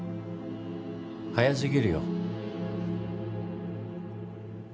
早すぎるよ。